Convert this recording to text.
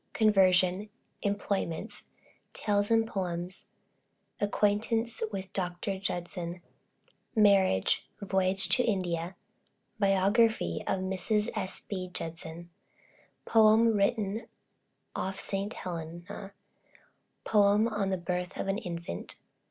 CONVERSION. EMPLOYMENTS. TALES AND POEMS. ACQUAINTANCE WITH DR. JUDSON. MARRIAGE. VOYAGE TO INDIA. BIOGRAPHY OF MRS. S.B. JUDSON. POEM WRITTEN OFF ST. HELENA. POEM ON THE BIRTH OF AN INFANT.